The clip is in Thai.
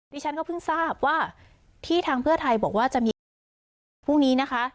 ดิฉันก็เพิ่งทราบว่าที่ทางเพื่อไทยบอกว่าจะมีการประชุมพรุ่งนี้นะคะ